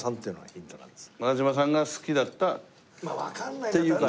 長嶋さんが好きだったっていう感じ。